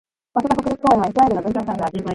マサダ国立公園はイスラエルの文化遺産である。